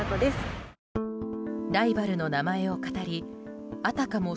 ライバルの名前をかたりあたかも